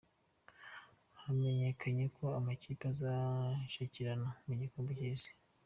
Hamenyekanye uko amakipe azacakirana mugikombe cy’isi